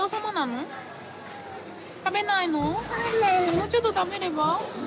もうちょっと食べれば？